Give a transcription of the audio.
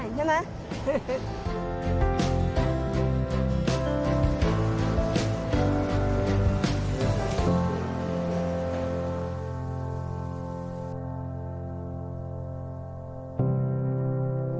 ใช่ไหม